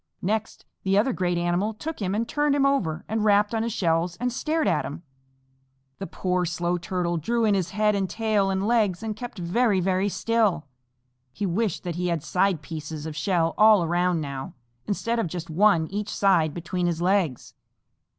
Next the other great animal took him and turned him over and rapped on his shells and stared at him. The poor Slow Little Turtle drew in his head and tail and legs and kept very, very still. He wished that he had side pieces of shell all around now, instead of just one on each side between his legs.